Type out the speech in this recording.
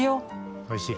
おいしい。